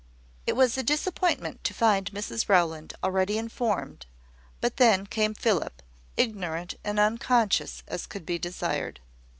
It was a disappointment to find Mrs Rowland already informed: but then came Philip, ignorant and unconscious as could be desired.